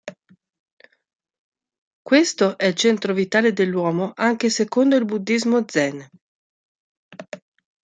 Questo è il centro vitale dell'Uomo anche secondo il Buddhismo Zen 禅.